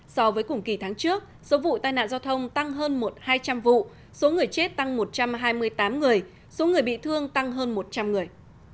so với cùng kỳ tháng trước số vụ tai nạn giao thông tăng hơn một hai trăm linh vụ số người chết tăng một trăm hai mươi tám người số người bị thương tăng hơn một trăm linh người